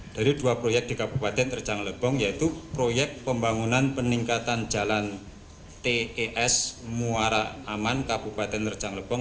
dari dua proyek di kabupaten terjang lebong yaitu proyek pembangunan peningkatan jalan tes muara aman kabupaten rejang lebong